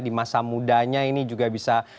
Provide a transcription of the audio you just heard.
di masa mudanya ini juga bisa